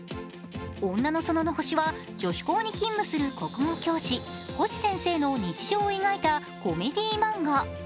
「女の園の星」は、女子校に勤務する国語教師、星先生の日常を描いたコメディー漫画。